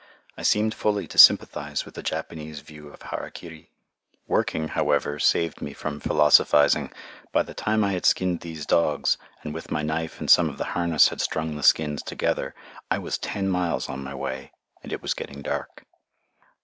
I seemed fully to sympathize with the Japanese view of hara kiri. Working, however, saved me from philosophizing. By the time I had skinned these dogs, and with my knife and some of the harness had strung the skins together, I was ten miles on my way, and it was getting dark.